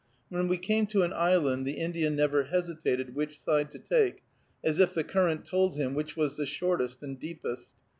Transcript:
When we came to an island, the Indian never hesitated which side to take, as if the current told him which was the shortest and deepest.